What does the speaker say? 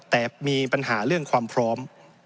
แต่มีปัญหาเรื่องความพร้อม